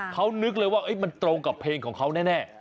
เขานึกเลยว่ามันตรงกับเพลงของเขาแน่